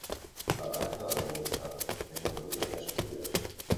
La branca de la murta creix en grups de tres fulles.